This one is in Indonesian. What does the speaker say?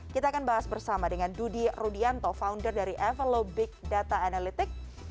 kita akan bahas bersama dengan dudi rudianto founder dari evalo big data analytic